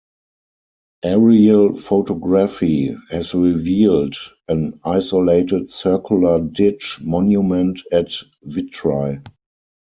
Aerial photography has revealed an isolated circular ditch monument at Vitry.